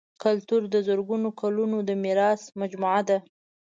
کلتور د زرګونو کلونو د میراث مجموعه ده.